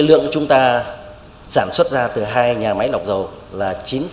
lượng chúng ta sản xuất ra từ hai nhà máy lọc dầu là chín trăm linh